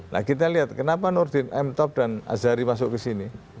nah kita lihat kenapa nurdin emtok dan azhari masuk ke sini